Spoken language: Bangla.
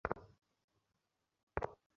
কাঠ পালিশের জন্য ভালো।